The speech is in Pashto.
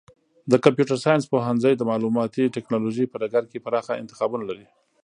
د کمپیوټر ساینس پوهنځی د معلوماتي ټکنالوژۍ په ډګر کې پراخه انتخابونه لري.